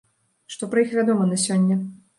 Што пра іх вядома на сёння?